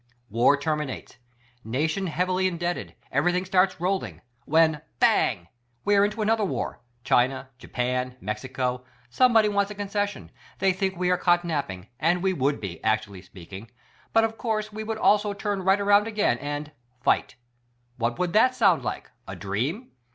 War terminates; nation heavily indebted; everything starts rolling; when, bang ! We are into another WAR — China, Japan, Mexico — somebody wants a concession — they think we are caught napping; and we would be, actually speaking ; but, of course, we would also turn right around again, and — fight ! What would that sound like? A dream?